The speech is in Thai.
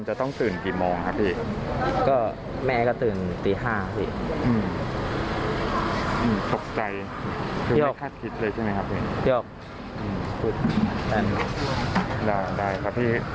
น้องเขาอยู่ต่างจังหวัดใช่